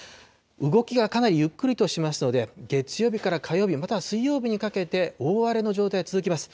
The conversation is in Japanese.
動きがかなりゆっくりとしますので、月曜日から火曜日、または水曜日にかけて、大荒れの状態、続きます。